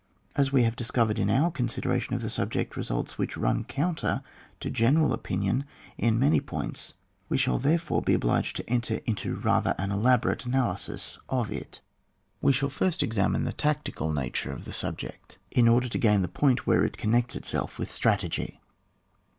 Aa we have dis covered in our consideration of the sub ject results which run counter to general opinion in many points, we shall there fore be obliged to enter into rather an elaborate analysis of it. We shall first examine the tactical nature of the subject; in order to gain the point where it connects itself with strategy.